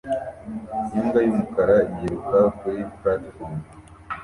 imbwa y'umukara yiruka kuri platifomu